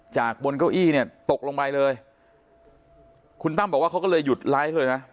บนเก้าอี้เนี่ยตกลงไปเลยคุณตั้มบอกว่าเขาก็เลยหยุดไลฟ์เลยนะ